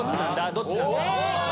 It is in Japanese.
どっちなんだ？